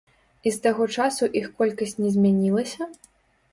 І з таго часу іх колькасць не змянілася?